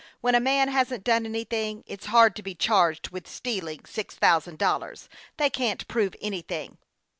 When a man hasn't done any thing, it's hard to be charged with stealing six thousand dollars. They can't prove anything."